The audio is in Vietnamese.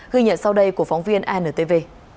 ghi nhận sau đây của phóng viên antv